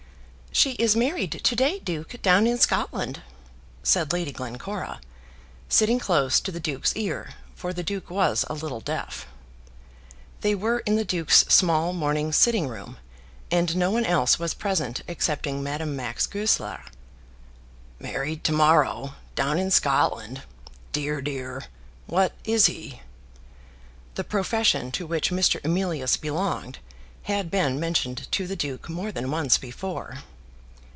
"She is married to day, duke, down in Scotland," said Lady Glencora, sitting close to the duke's ear, for the duke was a little deaf. They were in the duke's small morning sitting room, and no one else was present excepting Madame Max Goesler. "Married to morrow, down in Scotland. Dear, dear! what is he?" The profession to which Mr. Emilius belonged had been mentioned to the duke more than once before.